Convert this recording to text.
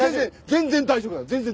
全然大丈夫だから。